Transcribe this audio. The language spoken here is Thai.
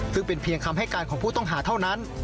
ซึ่งเป็นเพียงคำให้การของผู้ต้องหาเท่านั้น